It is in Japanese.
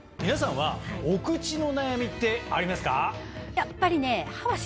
やっぱりね。